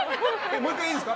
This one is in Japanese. もう１回、いいですか。